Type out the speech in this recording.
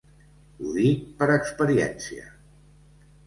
Ho dic per experiència.